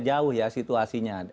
jauh ya situasinya